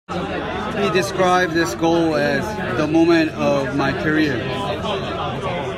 He described this goal as "the moment of my career".